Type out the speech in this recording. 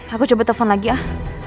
aku coba telepon lagi ah